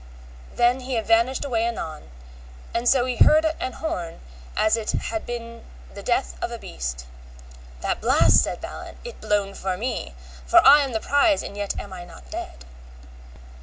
And he vanished away anon; and so he heard an horn blow as it had been the death of a beast. That blast, said Balin, is blown for me, for I am the prize and yet am I not dead.